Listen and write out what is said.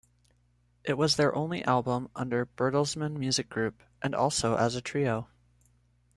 It was their only album under Bertelsmann Music Group, and also as a trio.